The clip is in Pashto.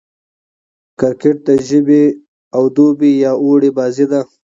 کرکټ د ژمي او دوبي يا اوړي بازي ده.